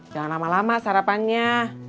jangan lama lama sarapannya